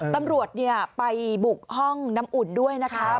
ตำรวจไปบุกห้องน้ำอุ่นด้วยนะคะ